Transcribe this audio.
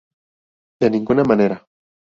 De ninguna manera.